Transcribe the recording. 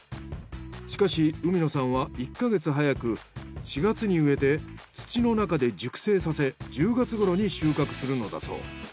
しかし海野さんは１か月早く４月に植えて土の中で熟成させ１０月ごろに収穫するのだそう。